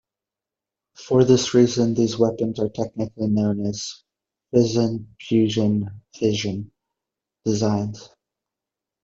For this reason, these weapons are technically known as fission-fusion-fission designs.